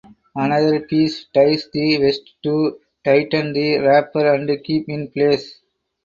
Another piece ties the waist to tighten the wrapper and keep in place.